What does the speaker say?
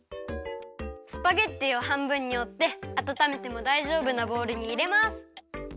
スパゲッティをはんぶんにおってあたためてもだいじょうぶなボウルにいれます。